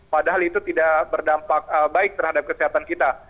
padahal itu tidak berdampak baik terhadap kesehatan kita